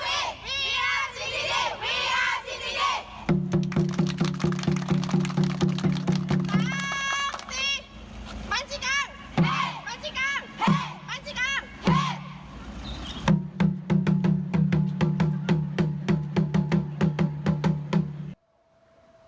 บันชิกัง